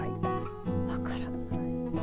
分からない。